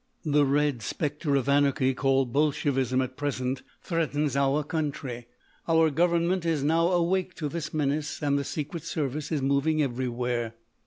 "The Red Spectre of Anarchy, called Bolshevism at present, threatens our country. Our Government is now awake to this menace and the Secret Service is moving everywhere.